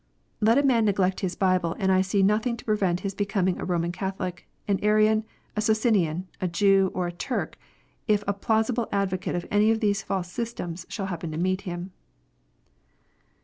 Let a man neglect his Bible, and I see nothing to prevent his becoming a Roman Catholic, an Arian, a Socinian, a Jew, or a Turk, if a plausible advocate of any of these false systems shall happen to meet him.